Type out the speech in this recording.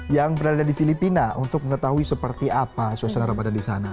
yang berada di filipina untuk mengetahui seperti apa suasana ramadan di sana